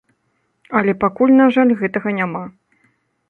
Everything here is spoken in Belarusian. Але пакуль, на жаль, гэтага няма.